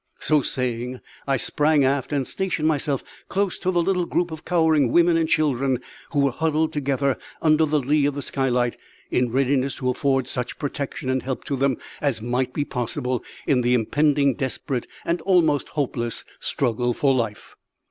So saying, I sprang aft and stationed myself close to the little group of cowering women and children who were huddled together under the lee of the skylight, in readiness to afford such protection and help to them as might be possible in the impending desperate and almost hopeless struggle for life.